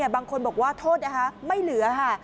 บางคนบอกว่าโทษนะคะไม่เหลือค่ะ